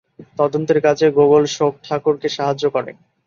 তদন্তের কাজে গোগোল শোক ঠাকুরকে সাহায্য করে।